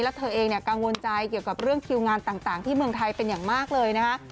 แล้วเธอเองกังวลใจเกี่ยวกับเรื่องคิวงานต่างที่เมืองไทยเป็นอย่างมากเลยนะคะ